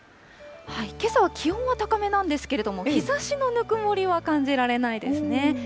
けさは気温は高めなんですけれども、日ざしのぬくもりは感じられないですね。